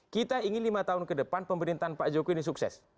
kita ingin lima tahun ke depan pemerintahan pak jokowi ini sukses